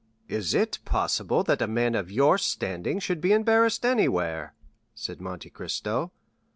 "Is it possible that a man of your standing should be embarrassed anywhere?" said Monte Cristo.